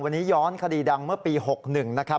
วันนี้ย้อนคดีดังเมื่อปี๖๑นะครับ